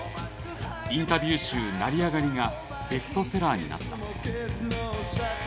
インタビュー集「成りあがり」がベストセラーになった。